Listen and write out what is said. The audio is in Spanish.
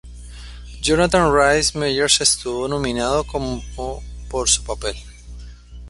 Jonathan Rhys Meyers estuvo nominado como por su papel.